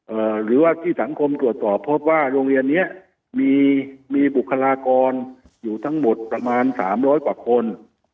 หรือว่าที่สังคมตรวจสอบพบว่าโรงเรียนเนี้ยมีมีบุคลากรอยู่ทั้งหมดประมาณสามร้อยกว่าคน